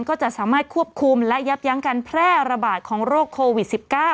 ก็จะสามารถควบคุมและยับยั้งการแพร่ระบาดของโรคโควิด๑๙